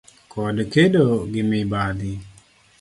kod kedo gi mibadhi.